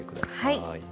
はい。